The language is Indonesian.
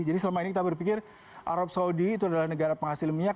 jadi selama ini kita berpikir arab saudi itu adalah negara penghasil minyak